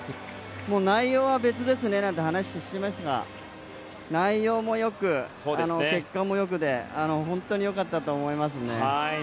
内容は別ですねなんて話をしていましたが内容もよく、結果もよくで本当に良かったと思いますね。